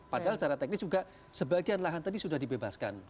padahal secara teknis juga sebagian lahan tadi sudah dibebaskan